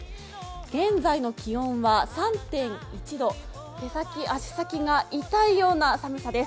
現在の気温は３．１度手先、足先が痛いような寒さです。